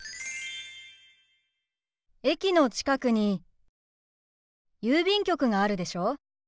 駅の近くに郵便局があるでしょ。